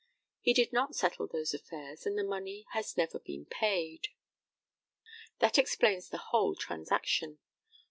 He did not settle those affairs, and the money has never been paid. That explains the whole transaction.